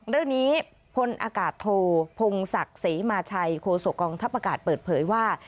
เรื่องนี้พลอากาศโทพงศักดิ์ศรีมาชัยโคศกองทัพอากาศเปิดเผยว่า